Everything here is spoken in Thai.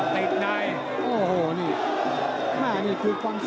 ตามต่อยกที่สองครับ